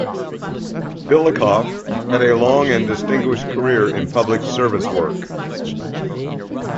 Billikopf had a long and distinguished career in public service work.